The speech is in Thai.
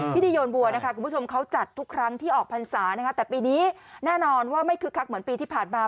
โยนบัวนะคะคุณผู้ชมเขาจัดทุกครั้งที่ออกพรรษานะคะแต่ปีนี้แน่นอนว่าไม่คึกคักเหมือนปีที่ผ่านมา